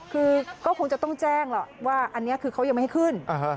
คือก็คงจะต้องแจ้งหรอกว่าอันนี้คือเขายังไม่ขึ้น